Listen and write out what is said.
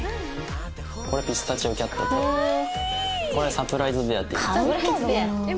これピスタチオキャットでこれサプライズベアっていう。